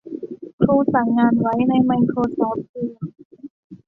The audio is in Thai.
ครูสั่งงานไว้ในไมโครซอฟต์ ทีม